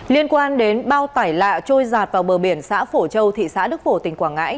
liên quan đến bao tải lạ trôi giạt vào bờ biển xã phổ châu thị xã đức phổ tỉnh quảng ngãi